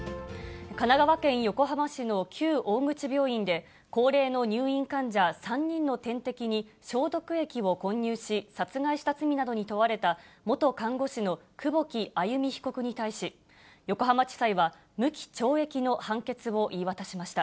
神奈川県横浜市の旧大口病院で、高齢の入院患者３人の点滴に消毒液を混入し、殺害した罪などに問われた、元看護師の久保木愛弓被告に対し、横浜地裁は無期懲役の判決を言い渡しました。